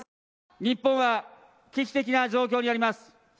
日本は危機的な状況にあります。